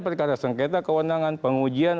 perkara sengketa kewenangan pengujian